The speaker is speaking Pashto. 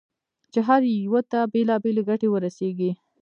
چې هر یوه ته بېلابېلې ګټې ورسېږي.